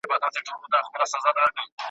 ټلفون ته یې زنګ راغی د مېرمني `